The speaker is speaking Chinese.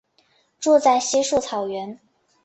住在稀树草原。